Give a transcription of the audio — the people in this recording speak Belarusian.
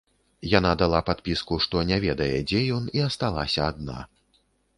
Яна дала падпіску, што не ведае, дзе ён, і асталася адна.